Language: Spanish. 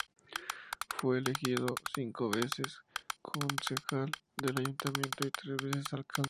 Fue elegido cinco veces concejal del Ayuntamiento y tres veces Alcalde del mismo.